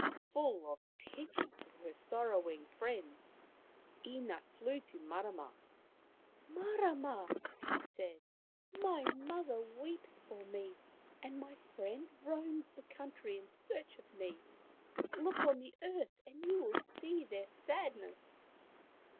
Full of pity for her sorrowing friends, Ina flew to Marama. 144 Maoriland Fairy Tales " Marama," she said, " my mother weeps for me, and my friend roams the country in search of me. Look on the earth and you will see their sadness."